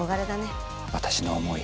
私の思い